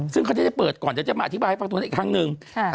ซึ่งเขาจะได้เปิดก่อนเดี๋ยวจะมาอธิบายให้ฟังตรงนั้นอีกครั้งหนึ่ง